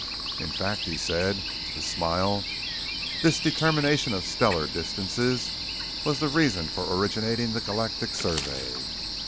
In fact," he said with a smile, "this determination of stellar distances was the reason for originating the Galactic Survey.